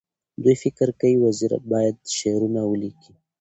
دوی فکر کوي وزیر باید شعر ونه لیکي.